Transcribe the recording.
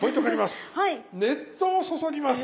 熱湯を注ぎます！